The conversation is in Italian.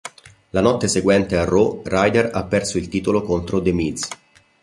La notte seguente a "Raw", Ryder ha perso il titolo contro The Miz.